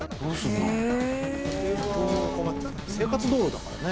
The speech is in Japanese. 生活道路だからね。